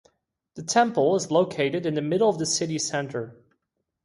The temple is located in middle of the city center.